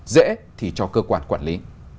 dễ thì cho cơ quan quản lý